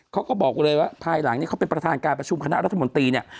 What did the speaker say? เขาก็บอกเลยว่าภายหลังนี้เขาเป็นประธานการประชุมคณะรัฐมนตรีเนี่ย